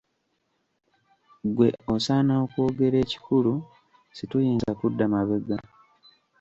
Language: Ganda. Ggwe osaana okwogera ekikulu situyinza kudda mabega.